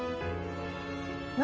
何？